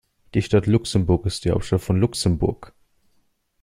Die Stadt Luxemburg ist die Hauptstadt von Luxemburg.